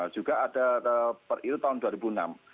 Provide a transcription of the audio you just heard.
juga ada periru tahun dua ribu enam